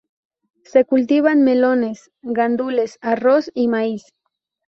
Se cultivan melones, gandules, arroz y maíz.